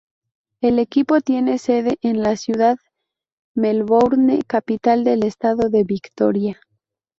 El equipo tiene sede en la ciudad Melbourne, capital del estado de Victoria.